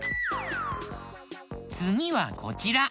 つぎはこちら。